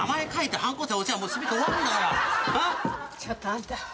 ちょっとあんた